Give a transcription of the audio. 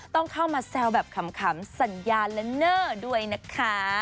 ต้องเข้ามาแซวแบบขำสัญญาและเนอร์ด้วยนะคะ